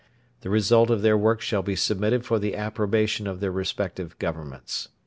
The result of their work shall be submitted for the approbation of their respective Governments.